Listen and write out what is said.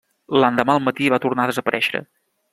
L'endemà al matí va tornar a desaparèixer.